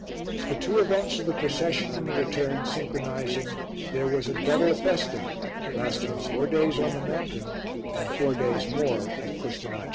The two events of the Procession and the Return synchronizing, there was a double festa, lasting four days on the mountain and four days more at Custonaci.